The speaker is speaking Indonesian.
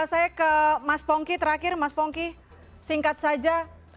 saya ke mas pongky terakhir mas pongky singkat saja